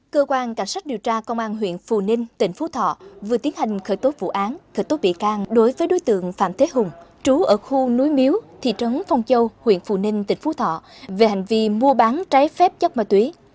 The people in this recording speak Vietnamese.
cơ quan cảnh sát điều tra công an huyện phù ninh tỉnh phú thọ vừa tiến hành khởi tố vụ án khởi tố bị can đối với đối tượng phạm thế hùng trú ở khu núi miếu thị trấn phong châu huyện phù ninh tỉnh phú thọ về hành vi mua bán trái phép chất ma túy